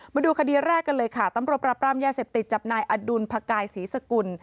มาดูคดีแรกกันเลยค่ะตำรวจปราบรามยาเสพติดจับนายอดุลพกายศรีสกุล